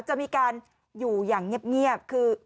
จะมีการอยู่อย่างเงียบคือ